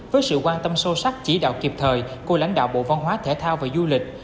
với sự quan tâm sâu sắc chỉ đạo kịp thời của lãnh đạo bộ văn hóa thể thao và du lịch